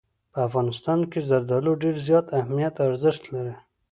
په افغانستان کې زردالو ډېر زیات اهمیت او ارزښت لري.